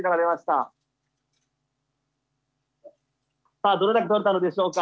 さあどれだけ採れたのでしょうか？